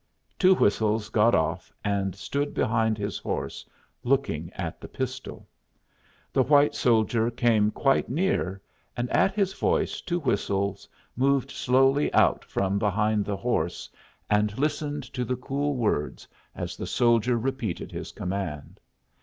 Two Whistles got off and stood behind his horse, looking at the pistol. The white soldier came quite near, and at his voice Two Whistles moved slowly out from behind the horse, and listened to the cool words as the soldier repeated his command.